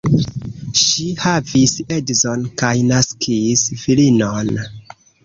Ŝi havis edzon kaj naskis filinon.